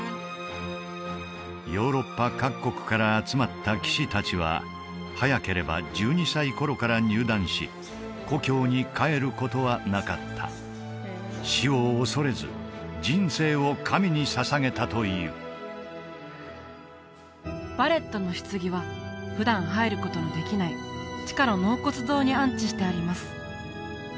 ヨーロッパ各国から集まった騎士達は早ければ１２歳頃から入団し故郷に帰ることはなかった死を恐れず人生を神に捧げたというヴァレットのひつぎは普段入ることのできない地下の納骨堂に安置してあります